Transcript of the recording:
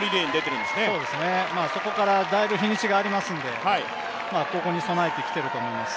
混合からだいぶ日にちがありますので、ここに備えてきていると思います。